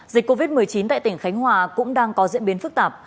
dịch covid một mươi chín tại tỉnh khánh hòa cũng đang có diễn biến phức tạp